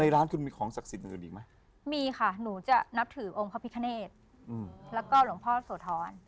แล้วก็หลวงพ่อโสธร